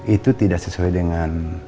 itu tidak sesuai dengan